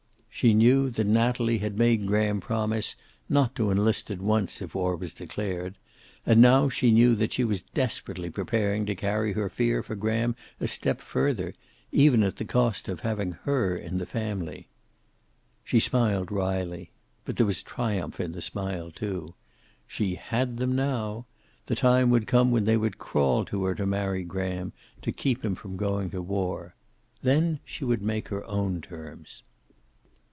She knew that Natalie had made Graham promise not to enlist at once, if war was declared, and now she knew that she was desperately preparing to carry her fear for Graham a step further, even at the cost of having her in the family. She smiled wryly. But there was triumph in the smile, too. She had them now. The time would come when they would crawl to her to marry Graham, to keep him from going to war. Then she would make her own terms.